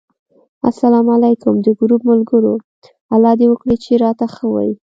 اسلام علیکم! د ګروپ ملګرو! الله دې وکړي چې راته ښه وی